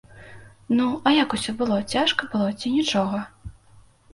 Ну, а як усё было, цяжка было ці нічога?